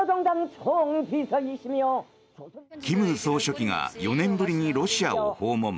金総書記が４年ぶりにロシアを訪問。